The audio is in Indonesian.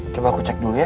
coba aku cek dulu ya